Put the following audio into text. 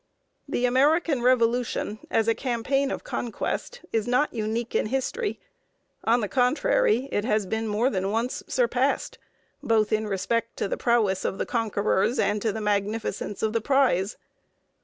The American Revolution as a campaign of conquest is not unique in history; on the contrary, it has been more than once surpassed, both in respect to the prowess of the conquerors and to the magnificence of the prize.